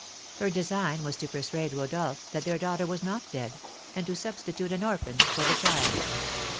Her design was to persuade Rodolph that their daughter was not dead, and to substitute an orphan for the child.